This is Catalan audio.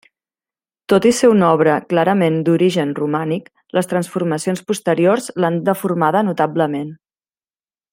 Tot i ser una obra clarament d'origen romànic, les transformacions posteriors l'han deformada notablement.